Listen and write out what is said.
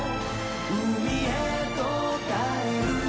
「海へと帰る」